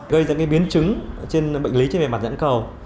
gây ra những biến chứng trên bệnh lý trên bề mặt dãn cầu